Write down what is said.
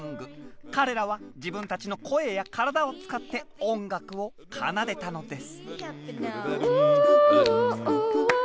彼らは自分たちの声や体を使って音楽を奏でたのです。